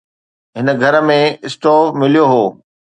هن گهر ۾ اسٽو مليو هو